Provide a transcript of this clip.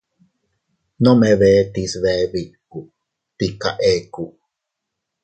Nome bee tiis bee biku, tika eku.